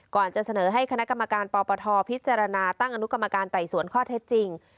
ก่อนจะเสนอให้คณะกรรมการปปทพิจารณาตั้งอนุกรรมการไต่สวนข้อเท็จจริง